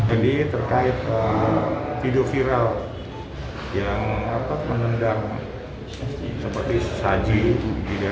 aku ingin melakukan apa apa